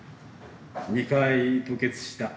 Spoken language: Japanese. ２回吐血した。